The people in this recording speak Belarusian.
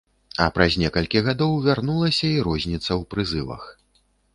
А праз некалькі гадоў вярнулася і розніца ў прызывах.